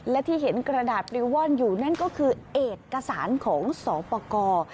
และที่เห็นกระดาษปริวว่อนอยู่นั่นก็คือเอกสารของสอปกร